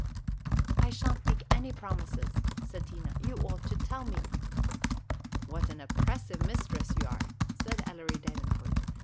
"I sha' n't make any promises," said Tina; "you ought to tell me!" "What an oppressive mistress you are!" said Ellery Davenport.